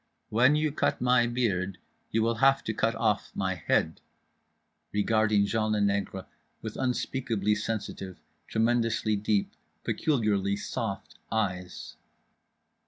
"When you cut my beard you will have to cut off my head" regarding Jean le Nègre with unspeakably sensitive, tremendously deep, peculiarly soft eyes.